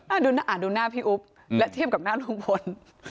อ่ะดูหน้าพี่อู๊บและเทียบกับหน้าลุงพล